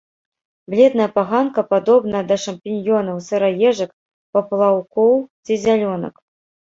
Бледная паганка падобная да шампіньёнаў, сыраежак, паплаўкоў ці зялёнак.